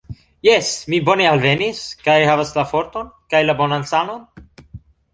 Jes, mi bone alvenis, kaj havas la forton kaj la bonan sanon